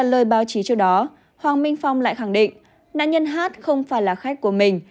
lời báo chí trước đó hoàng minh phong lại khẳng định nạn nhân hát không phải là khách của mình